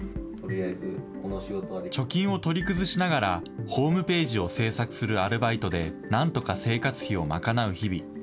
貯金を取り崩しながら、ホームページを制作するアルバイトでなんとか生活費を賄う日々。